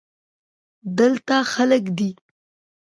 دلته خلگ دی.